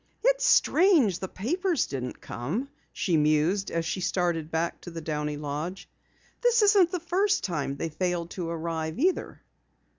"It's strange the papers didn't come," she mused as she started back to the Downey lodge. "This isn't the first time they've failed to arrive either."